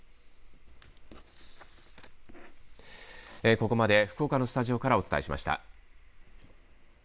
ここまで福岡のスタジオからお伝えしました。